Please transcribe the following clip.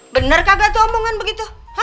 bener kagak tuh omongan begitu